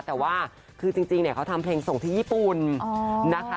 แต่ว่าคือจริงเขาทำเพลงส่งที่ญี่ปุ่นนะคะ